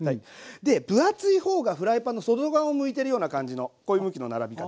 で分厚い方がフライパンの外側を向いてるような感じのこういう向きの並び方。